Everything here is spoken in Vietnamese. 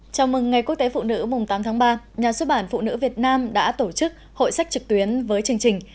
chào mừng ngày quốc tế phụ nữ mùng tám tháng ba nhà xuất bản phụ nữ việt nam đã tổ chức hội sách trực tuyến với chương trình